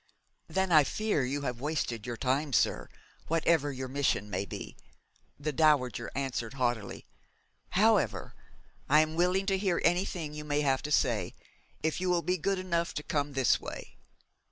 'Then I fear you have wasted your time, sir, whatever your mission may be,' the dowager answered, haughtily. 'However, I am willing to hear anything you may have to say, if you will be good enough to come this way.'